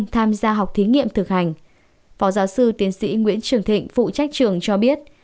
tham gia học thí nghiệm thực hành phó giáo sư tiến sĩ nguyễn trường thịnh phụ trách trường cho biết